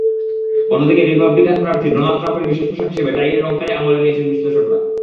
অন্যদিকে রিপাবলিকান প্রার্থী ডোনাল্ড ট্রাম্পের বিশেষ পোশাক হিসেবে টাইয়ের রংটাই আমলে নিয়েছেন বিশ্লেষকেরা।